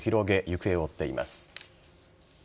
行方を追っています。